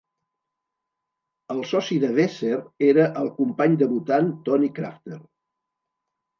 El soci de Weser era el company debutant Tony Crafter.